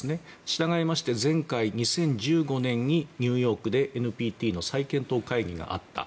従いまして前回、２０１５年にニューヨークでＮＰＴの再検討会議があった。